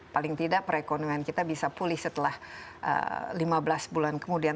paling tidak perekonomian kita bisa pulih setelah lima belas bulan kemudian